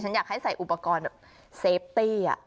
อยากให้ใส่อุปกรณ์แบบเซฟตี้